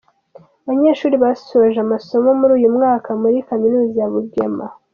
Abanyeshuri basoje amasomo muri uyu mwaka muri kaminuza ya Bugema.